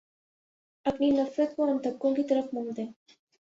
اپنی نفرت کو ان طبقوں کی طرف موڑ دیں